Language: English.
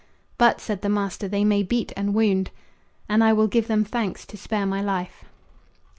"But," said the master, "they may beat and wound." "And I will give them thanks to spare my life."